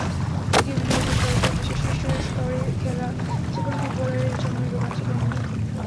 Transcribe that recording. তৃতীয় বিভাগ থেকে সরাসরি দেশের শীর্ষস্তরে খেলা যেকোনো ফুটবলারের জন্যই রোমাঞ্চকর অনুভূতি।